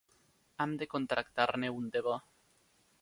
Hem de contractar-ne un de bo.